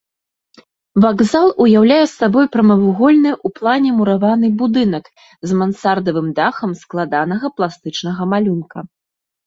Вакзал уяўляе сабой прамавугольны ў плане мураваны будынак з мансардавым дахам складанага пластычнага малюнка.